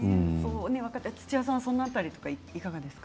土屋さんはその辺りいかがですか？